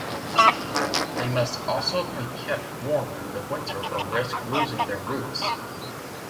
They must also be kept warm through the winter or risk losing their roots.